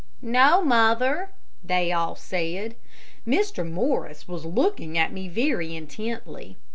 "No, mother," they all said. Mr. Morris was looking at me very intently.